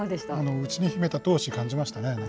うちに秘めた闘志を感じましたね。